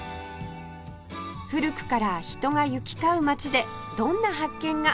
古くから人が行き交う町でどんな発見が？